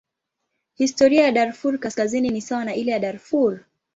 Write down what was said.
Historia ya Darfur Kaskazini ni sawa na ile ya Darfur.